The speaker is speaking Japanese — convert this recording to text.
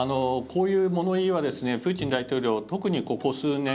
こういう物言いはプーチン大統領、特にここ数年